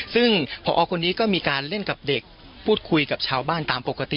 ซึ่งพอคนนี้ก็มีการเล่นกับเด็กพูดคุยกับชาวบ้านตามปกติ